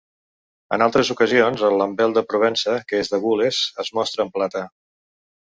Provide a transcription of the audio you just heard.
En altres ocasions, el lambel de Provença, que és de gules, és mostrat en plata.